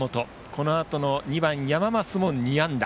このあとの２番、山増も２安打。